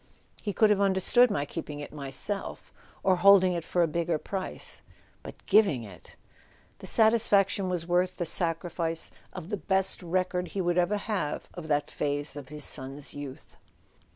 "He could have understood my keeping it myself—or holding it for a bigger price—but giving it !" The satisfaction was worth the sacrifice of the best record he would ever have of that phase of his son's youth.